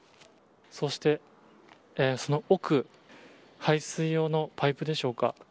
そして、その奥排水用のパイプでしょうか。